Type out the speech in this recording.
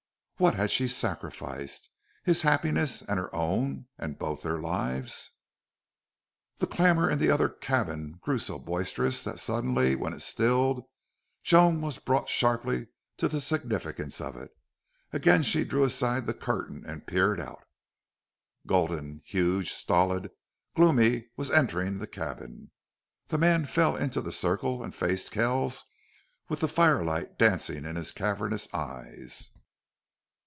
What had she sacrificed? His happiness and her own and both their lives! The clamor in the other cabin grew so boisterous that suddenly when it stilled Joan was brought sharply to the significance of it. Again she drew aside the curtain and peered out. Gulden, huge, stolid, gloomy, was entering the cabin. The man fell into the circle and faced Kell with the fire light dancing in his cavernous eyes.